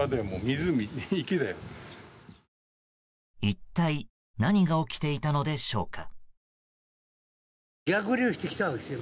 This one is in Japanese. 一体何が起きていたのでしょうか。